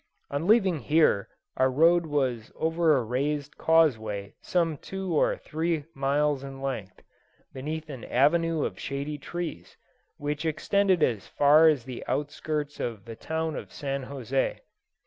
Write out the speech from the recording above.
On leaving here our road was over a raised causeway some two or three miles in length, beneath an avenue of shady trees, which extended as far as the outskirts of the town of St. José.